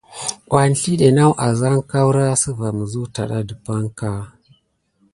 Wazldé naku azanke aoura siva muzutada de pay ka.